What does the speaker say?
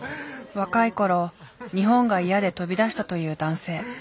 若い頃日本が嫌で飛び出したという男性。